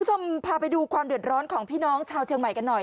คุณผู้ชมพาไปดูความเดือดร้อนของพี่น้องชาวเชียงใหม่กันหน่อย